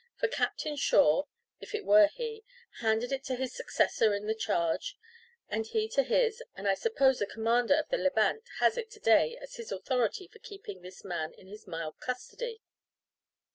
For Captain Shaw, if it were he, handed it to his successor in the charge, and he to his, and I suppose the commander of the Levant has it to day as his authority for keeping this man in this mild custody.